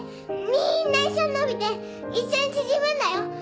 みんな一緒に伸びて一緒に縮むんだよ。